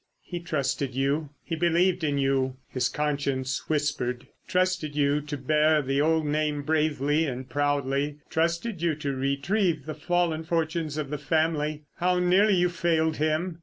"He trusted you, he believed in you," his conscience whispered. "Trusted you to bear the old name bravely and proudly; trusted you to retrieve the fallen fortunes of the family. How nearly you failed him!"